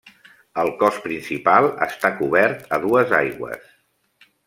El cos principal està cobert a dues aigües.